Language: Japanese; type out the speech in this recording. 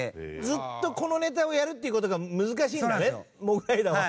ずっとこのネタをやるっていう事が難しいんだねモグライダーは。